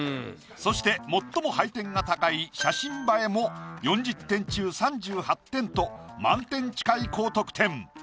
そして最も配点が高い写真映えも４０点中３８点と満点近い高得点。